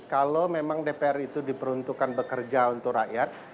kalau memang dpr itu diperuntukkan bekerja untuk rakyat